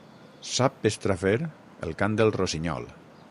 Sap estrafer el cant del rossinyol.